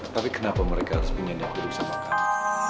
tapi kenapa mereka harus pingin aku hidup sama kamu